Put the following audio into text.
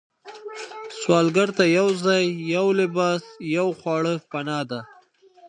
سوالګر ته یو ځای، یو لباس، یو خواړه پناه ده